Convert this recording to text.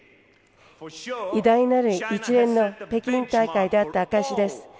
偉大なる一連の北京大会であった証しです。